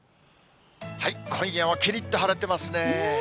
今夜もきりっと晴れてますね。